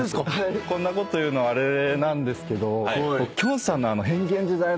こんなこと言うのはあれなんですけど。